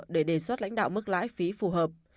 để đề xuất lãnh đạo mức lãi phí phù hợp